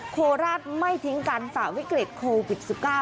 โคราชไม่ทิ้งกันฝ่าวิกฤตโควิด๑๙